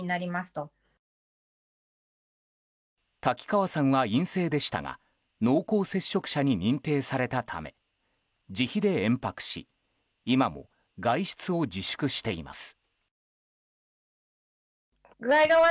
瀧川さんは陰性でしたが濃厚接触者に認定されたため自費で延泊し今も外出を自粛しています。